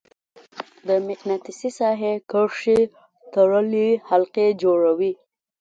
د مقناطیسي ساحې کرښې تړلې حلقې جوړوي.